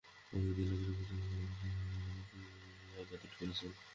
কয়েক দিন আগে সর্বোচ্চ আদালত মুরসির বিরুদ্ধে দেওয়া মৃত্যুদণ্ডের একটি রায় বাতিল করেছেন।